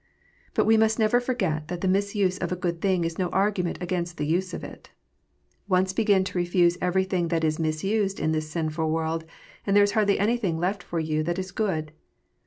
But we must never forget that the misuse of a good thing is no argument against the use of it. Once begin to refuse everything that is misused in this sinful world, and there is hardly anything left for you that is good.